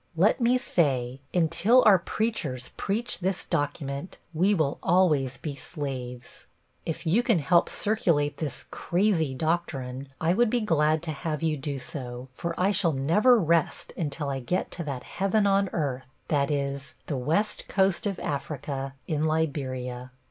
Let me say, until our preachers preach this document we will always be slaves. If you can help circulate this "crazy" doctrine I would be glad to have you do so, for I shall never rest until I get to that heaven on earth; that is, the west coast of Africa, in Liberia.